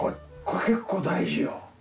これ結構大事よ。